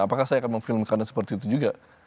apakah saya akan memfilmkan seperti itu juga